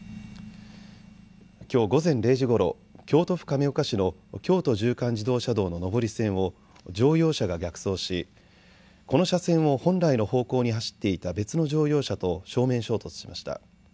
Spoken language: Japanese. きょう午前０時ごろ京都府亀岡市の京都縦貫自動車道の上り線を乗用車が逆走しこの車線を本来の方向に走っていた別の乗用車と正面衝突しました。